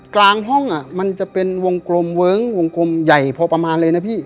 กลางห้องมันจะเป็นวงกลมเวิ้งวงกลมใหญ่พอประมาณเลยนะพี่